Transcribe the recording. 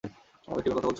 আমাদের টিমের কথা বলছ?